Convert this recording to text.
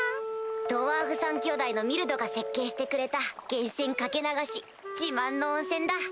ドワーフ３兄弟のミルドが設計してくれた源泉掛け流し自慢の温泉だ！